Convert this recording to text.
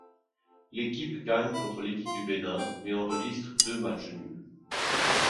L'équipe gagne contre l'équipe du Bénin mais enregistre deux matchs nuls.